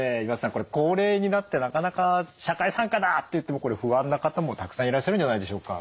これ高齢になってなかなか社会参加だっていっても不安な方もたくさんいらっしゃるんじゃないでしょうか。